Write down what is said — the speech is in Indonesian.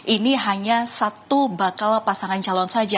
ini hanya satu bakal pasangan calon saja